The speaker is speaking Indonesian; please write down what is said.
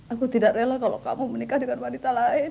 aku tidak rela kalau kamu menikah dengan wanita lain